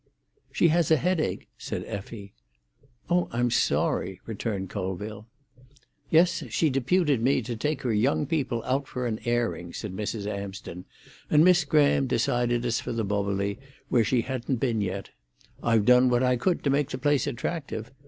"She has a headache," said Effie. "Oh, I'm sorry," returned Colville. "Yes, she deputed me to take her young people out for an airing," said Mrs. Amsden; "and Miss Graham decided us for the Boboli, where she hadn't been yet. I've done what I could to make the place attractive.